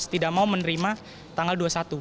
tidak mau menerima tanggal dua puluh satu